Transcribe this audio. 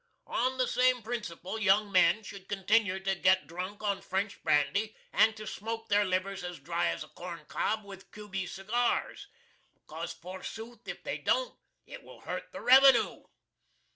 On the same principle young men should continer to get drunk on French brandy and to smoke their livers as dry as a corn cob with Cuby cigars because 4 sooth if they don't, it will hurt the Revenoo!